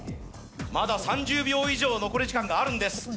まだ３０秒以上残り時間があるんです。